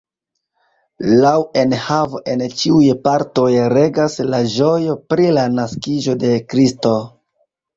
Laŭ enhavo en ĉiuj partoj regas la ĝojo pri la naskiĝo de Kristo.